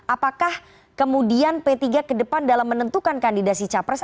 apakah kemudian p tiga ke depan dalam menentukan kandidasi capres